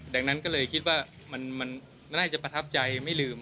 ดังนั้นก็เลยคิดว่ามันน่าจะประทับใจไม่ลืม